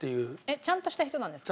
ちゃんとした人なんですか？